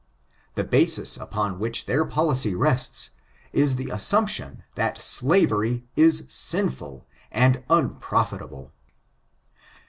The basis upon which their policy rests, is the assumption that slavery is sinful and unprofitn able.